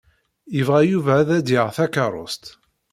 Yebɣa Yuba ad d-yaɣ takeṛṛust.